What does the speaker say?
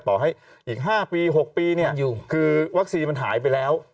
ต่อให้อีก๕ปี๖ปีเนี่ยคือวัคซีนมันหายไปแล้ว